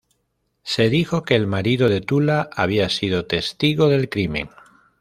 Se dijo que el marido de Tula había sido testigo del crimen.